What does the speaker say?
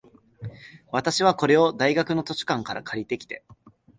私は、これを大学の図書館から借りてきて、